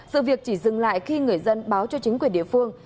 sự việc chỉ dừng lại khi người dân báo cho chính quyền địa phương